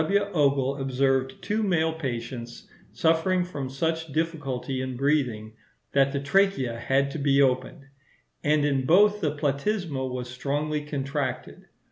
W. Ogle observed two male patients, suffering from such difficulty in breathing, that the trachea had to be opened, and in both the platysma was strongly contracted.